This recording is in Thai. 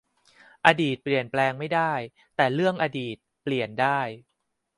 อดีตเปลี่ยนแปลงไม่ได้ แต่ 'เรื่องอดีต' เปลี่ยนได้